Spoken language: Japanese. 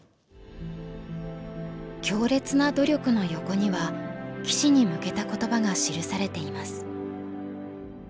「強烈な努力」の横には棋士に向けた言葉が記されています。